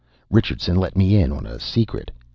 Richardson let me in on a secret.